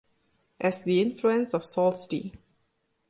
As the influence of Sault Ste.